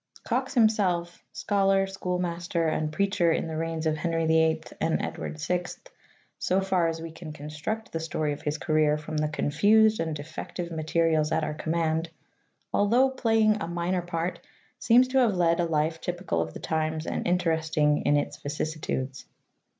Cox himself, scholar, schoolmaster, and preacher in the reigns of Henry VIII and Edward VI, so far as we can reconstruct the story of his career from the confused and defective Annals of the ^• i ^ j ,xi , i ••„,^.,, p materials at our command, although playing a minor part, seems to have led a life typical of the times and interesting in its vicissitudes.